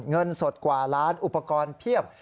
เงินสดกว่าล้านอุปกรณ์เพียบ